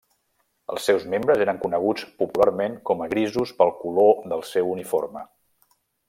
Els seus membres eren coneguts popularment com a grisos pel color del seu uniforme.